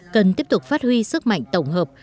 cần tiếp tục phát huy sức mạnh tổng hợp